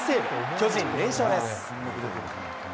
巨人、連勝です。